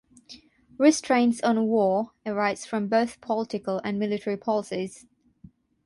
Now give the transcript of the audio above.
Restraints on war arise from both political and military policies.